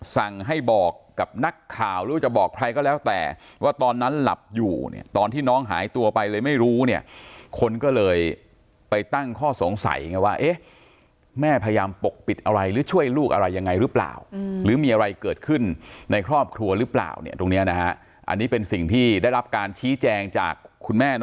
สั่งให้บอกกับนักข่าวหรือว่าจะบอกใครก็แล้วแต่ว่าตอนนั้นหลับอยู่เนี่ยตอนที่น้องหายตัวไปเลยไม่รู้เนี่ยคนก็เลยไปตั้งข้อสงสัยไงว่าเอ๊ะแม่พยายามปกปิดอะไรหรือช่วยลูกอะไรยังไงหรือเปล่าหรือมีอะไรเกิดขึ้นในครอบครัวหรือเปล่าเนี่ยตรงเนี้ยนะฮะอันนี้เป็นสิ่งที่ได้รับการชี้แจงจากคุณแม่